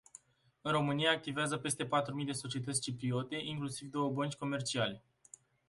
În România activează peste patru mii de societăți cipriote, inclusiv două bănci comerciale.